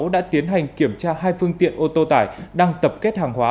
đã tiến hành kiểm tra hai phương tiện ô tô tải đang tập kết hàng hóa